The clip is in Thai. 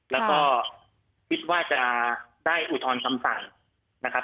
แล้วก็คิดว่าจะได้อุทธรณ์คำสั่งนะครับ